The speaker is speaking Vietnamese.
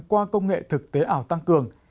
qua công nghệ thực tế ảo tăng cường